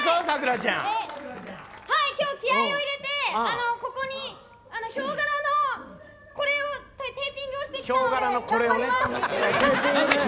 今日、気合を入れてここに、ヒョウ柄のテーピングをしてきたので頑張ります。